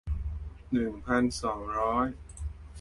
หนึ่งพันสองร้อย